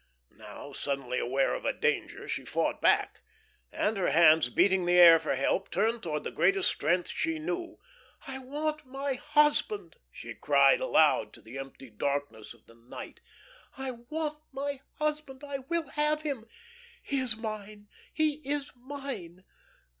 Now suddenly aware of a danger, she fought back, and her hands beating the air for help, turned towards the greatest strength she knew. "I want my husband," she cried, aloud, to the empty darkness of the night. "I want my husband. I will have him; he is mine, he is mine.